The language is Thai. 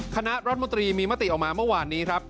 คณะรัฐมนตรีมีมติออกมาเมื่อวานนี้ครับ